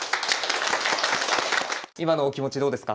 今のお気持ちどうですか？